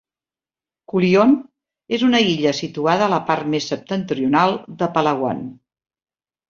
Culion és una illa situada a la part més septentrional de Palawan.